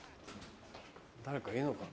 誰かいるのかな？